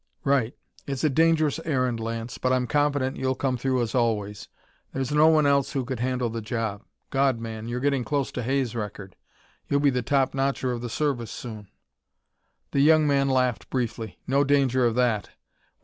"Right. It's a dangerous errand, Lance, but I'm confident you'll come through, as always. There's no one else who could handle the job. God, man, you're getting close to Hay's record! You'll be the top notcher of the service soon!" The young man laughed briefly. "No danger of that.